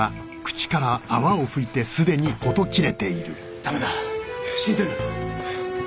ダメだ死んでる。